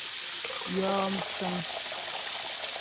Yɔ msə̌ŋ.